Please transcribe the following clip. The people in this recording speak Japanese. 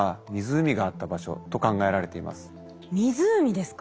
湖ですか？